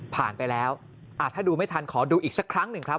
ไปแล้วถ้าดูไม่ทันขอดูอีกสักครั้งหนึ่งครับ